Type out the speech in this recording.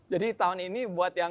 jadi tahun ini buat